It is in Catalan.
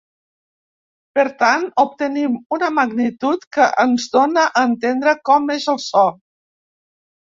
Per tant, obtenim una magnitud que ens dóna a entendre com és el so.